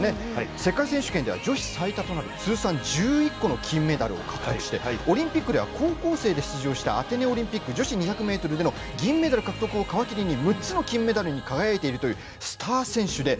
世界選手権では女子最多となる通算１１個の金メダルを獲得してオリンピックでは、高校生で出場したアテネオリンピック女子２００ｍでの銀メダル獲得を皮切りに６つの金メダルに輝いているというスター選手です。